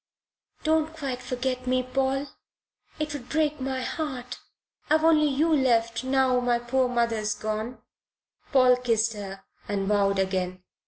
"Don't quite forget me, Paul. It would break my heart. I've only you left now poor mother's gone." Paul kissed her and vowed again.